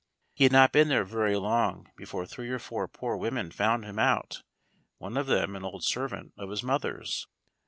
He had not been there very long before three or four poor women found him out, one of them an old servant of his mother's.